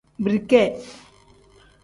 Birike.